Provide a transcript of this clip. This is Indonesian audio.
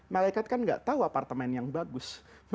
malaikat kan gak tahu apartemen yang bagus